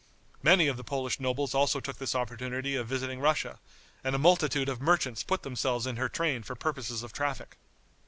Many of the Polish nobles also took this opportunity of visiting Russia, and a multitude of merchants put themselves in her train for purposes of traffic.